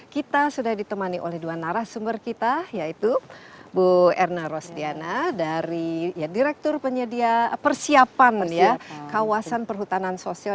kita sudah ditemani oleh dua narasumber kita yaitu bu erna rosdiana dari direktur persiapan kawasan perhutanan sosial